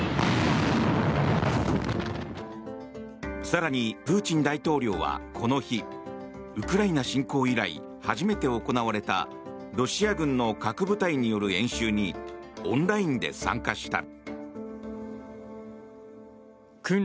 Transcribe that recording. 更にプーチン大統領はこの日、ウクライナ侵攻以来初めて行われたロシア軍の核部隊による演習にオンラインで参加した。